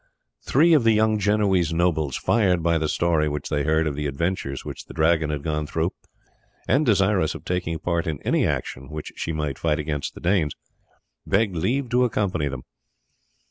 Three of the young Genoese nobles, fired by the story which they heard of the adventures which the Dragon had gone through, and desirous of taking part in any action which she might fight against the Danes, begged leave to accompany them.